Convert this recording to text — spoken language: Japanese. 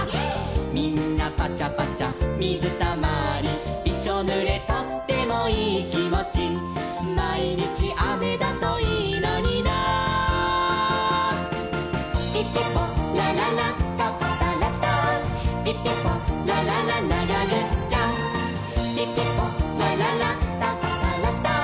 「みんなぱちゃぱちゃみずたまり」「びしょぬれとってもいいきもち」「まいにちあめだといいのにな」「ピピポラララタプタラタン」「ピピポラララながぐっちゃん！！」「ピピポラララタプタラタン」